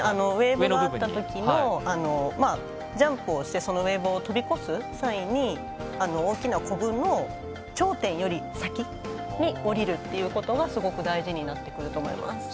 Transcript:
ウエーブがあったときジャンプをしてそのウエーブを飛び越す際に大きなコブの頂点より先に降りることがすごく大事になってくると思います。